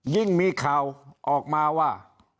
ยิ่งมีข่าวออกมาว่า